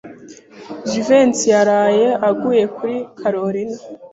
Jivency yaraye aguye kuri Kalorina.